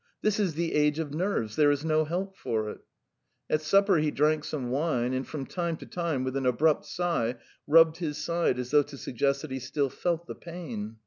This is the age of nerves; there is no help for it." At supper he drank some wine, and, from time to time, with an abrupt sigh rubbed his side as though to suggest that he still felt the pain.